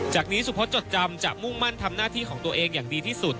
จากนี้สุพศจดจำจะมุ่งมั่นทำหน้าที่ของตัวเองอย่างดีที่สุด